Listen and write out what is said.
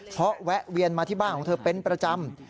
เพราะแวะเวียนมาที่บ้านของเธอเป็นประจำ